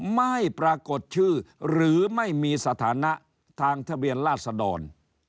ไม่ปรากฏชื่อหรือไม่มีสถานะทางทะเบียนราชดร